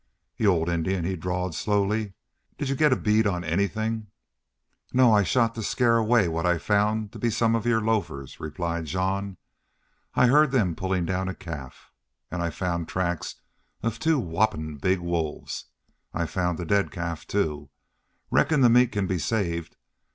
"You old Indian!" he drawled, slowly. "Did you get a bead on anythin'?" "No. I shot to scare away what I found to be some of your lofers," replied Jean. "I heard them pullin' down a calf. An' I found tracks of two whoppin' big wolves. I found the dead calf, too. Reckon the meat can be saved.